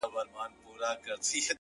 • د اوښکو ټول څاڅکي دي ټول راټول کړه؛